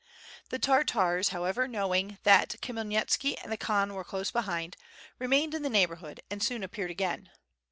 The Tartars however knowing that Khmyelnitski and the Khan were close behind, remained in the neighborhood and soon appeared again.